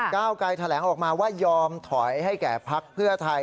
ค่ะค่ะกกแถลงออกมาว่ายอมถอยให้แก่พไทย